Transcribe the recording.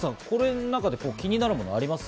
気になるものありますか？